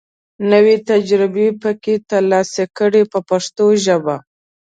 نوې تجربې پکې تر لاسه کړي په پښتو ژبه.